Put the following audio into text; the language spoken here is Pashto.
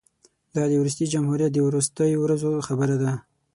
دا د وروستي جمهوریت د وروستیو ورځو خبره ده.